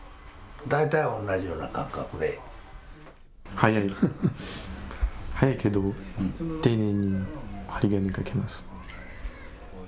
速い、速いけど丁寧に針金をかけます。